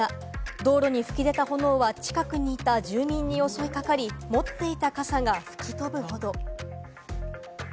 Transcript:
道路にふき出た炎は、近くにいた住民に襲いかかり、持っていた傘が吹き飛ぶほど。